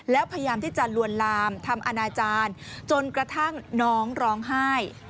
แล้วพยายามที่จะลวนลามทำอนาจารย์จนกระทั่งน้องร้องไห้